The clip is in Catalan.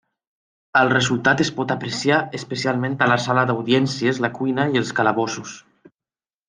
El resultat es pot apreciar especialment a la sala d'audiències, la cuina i els calabossos.